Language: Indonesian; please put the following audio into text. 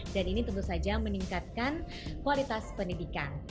dan ini tentu saja meningkatkan kualitas pendidikan